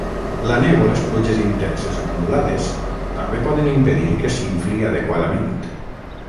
La neu o les pluges intenses acumulades també poden impedir que s'infli adequadament.